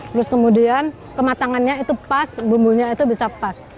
terus kemudian kematangannya itu pas bumbunya itu bisa pas